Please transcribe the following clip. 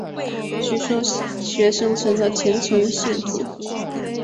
许多学生成了虔诚的信徒。